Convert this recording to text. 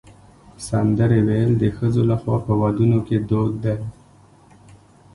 سندرې ویل د ښځو لخوا په ودونو کې دود دی.